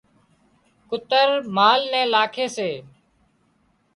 ڪُتر مال نين لاکي سي